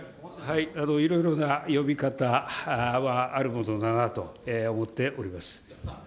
いろいろな呼び方はあるものだなと思っております。